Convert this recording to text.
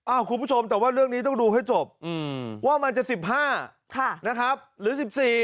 คุณผู้ชมแต่ว่าเรื่องนี้ต้องดูให้จบว่ามันจะ๑๕นะครับหรือ๑๔